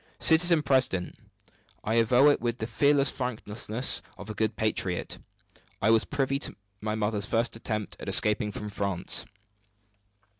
"Citizen president, I avow it with the fearless frankness of a good patriot; I was privy to my mother's first attempt at escaping from France."